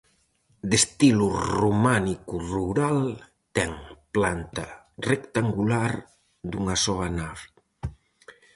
De estilo románico rural, ten planta rectangular dunha soa nave.